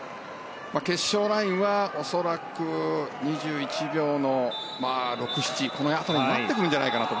決勝ラインは、恐らく２１秒の６７辺りになってくるんじゃないかなと